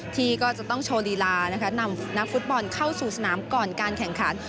ที่ก็จะต้องโชว์ลีลานะคะนำนักฟุตบอลเข้าสู่สนามก่อนการแข่งขัน